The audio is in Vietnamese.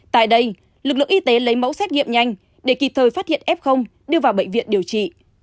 tại đây lực lượng y tế lấy mẫu xét nghiệm nhanh để kịp thời phát hiện f đưa vào bệnh viện điều trị